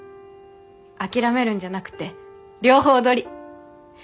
諦めるんじゃなくて両方取り！